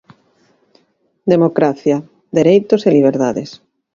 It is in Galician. Democracia, dereitos e liberdades.